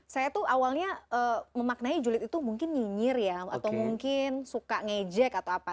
saya tuh awalnya memaknai julid itu mungkin nyinyir ya atau mungkin suka ngejek atau apa